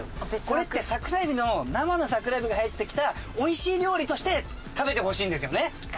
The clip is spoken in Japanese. これって桜えびの生の桜えびが入ってきた美味しい料理として食べてほしいんですよね。